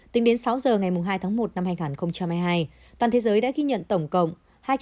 tính đến sáu giờ ngày hai tháng một năm hai nghìn hai mươi hai toàn thế giới đã ghi nhận tổng cộng